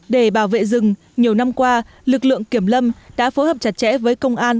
để bảo vệ rừng nhiều năm qua lực lượng kiểm lâm đã phối hợp chặt chẽ với công an